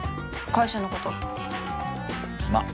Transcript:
会社のことまっ